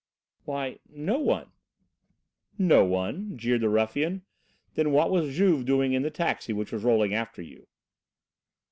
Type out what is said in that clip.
"Why no one." "No one?" jeered the ruffian. "Then what was Juve doing in the taxi which was rolling after you?"